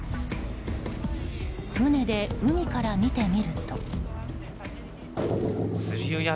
船で海から見てみると。